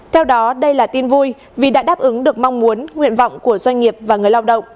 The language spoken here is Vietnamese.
theo đó đây là tin vui vì đã đáp ứng được mong muốn nguyện vọng của doanh nghiệp và người lao động